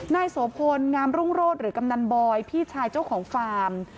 โสพลงามรุ่งโรศหรือกำนันบอยพี่ชายเจ้าของฟาร์ม